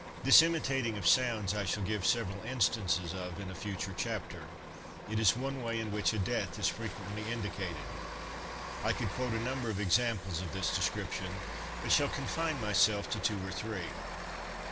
This imitating of sounds I shall give several instances of in a future chapter. It is one way in which a death is frequently indicated. I could quote a number of examples of this description, but shall confine myself to two or three.